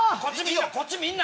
こっち見んな！